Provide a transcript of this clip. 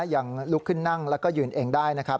ยังลุกขึ้นนั่งแล้วก็ยืนเองได้นะครับ